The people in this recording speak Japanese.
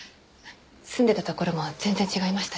住んでたところも全然違いましたし。